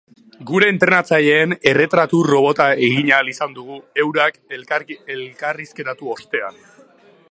Gure entrenatzaileen erretratu robota egin ahal izan dugu eurak elkarrizketatu ostean.